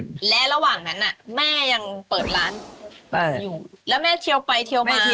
อ๋อตอนนั้นหนึ่งในช่วงระยะเวลาที่เขายังอยู่